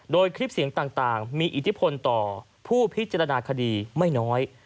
โดยคลิปเสียงต่างมีอิทธิพลต่อผู้พิจารณาคดีไม่น้อย